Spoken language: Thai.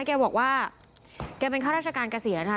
แกบอกว่าแกเป็นข้าราชการเกษียณค่ะ